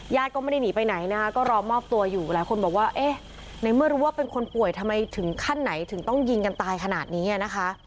ก็ไม่ได้หนีไปไหนนะคะก็รอมอบตัวอยู่หลายคนบอกว่าเอ๊ะในเมื่อรู้ว่าเป็นคนป่วยทำไมถึงขั้นไหนถึงต้องยิงกันตายขนาดนี้นะคะ